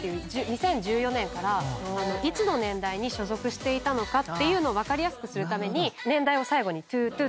２０１４年からいつの年代に所属していたのかっていうのを分かりやすくするために年代を’２２って入れるようになって。